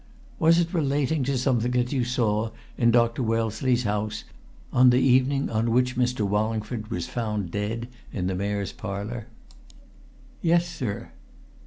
"Was it relating to something that you saw, in Dr. Wellesley's house, on the evening on which Mr. Wallingford was found dead in the Mayor's Parlour?" "Yes, sir."